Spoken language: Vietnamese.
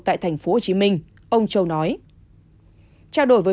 tại tp hcm ông châu nói